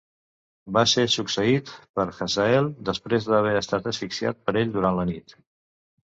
Va ser succeït per Hazael després de haver estat asfixiat per ell durant la nit.